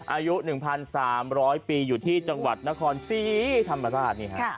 อายุ๑๓๐๐ปีอยู่ที่จังหวัดนครศรีธรรมราชนี่ฮะ